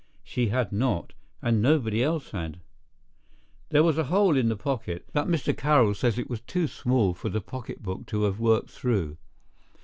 She had not, and nobody else had. There was a hole in the pocket, but Mr. Carroll says it was too small for the pocketbook to have worked through.